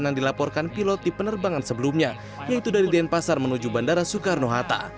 yang dilaporkan pilot di penerbangan sebelumnya yaitu dari denpasar menuju bandara soekarno hatta